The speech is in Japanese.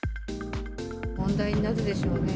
問題になるでしょうね。